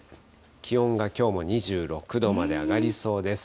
気温がきょうも２６度まで上がりそうです。